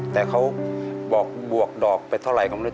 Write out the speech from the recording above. แต่เขาบอกบวกดอกไปเท่าไรของมือ